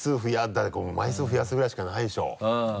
だって枚数増やすぐらいしかないでしょ。